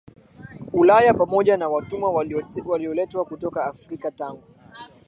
Ulaya pamoja na watumwa walioletwa kutoka Afrika Tangu